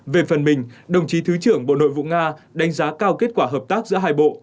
về phần mình đồng chí thứ trưởng bộ nội vụ nga đánh giá cao kết quả hợp tác giữa hai bộ